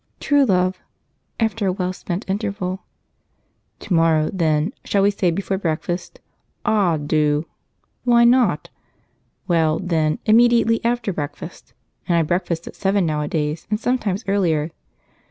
True Love (after a well spent interval). "To morrow, then; shall we say before breakfast? All, do! Why not? Well, then, immediately after breakfast, and I breakfast at seven nowadays, and sometimes earlier.